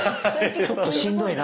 ちょっとしんどいな。